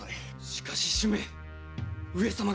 しかし主馬上様が。